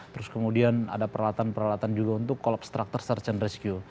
terus kemudian ada peralatan peralatan juga untuk collabstructor search and rescue